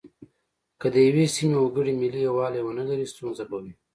که د یوې سیمې وګړي ملي یووالی ونه لري ستونزه به وي.